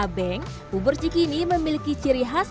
abeng bubur cikini memiliki ciri khas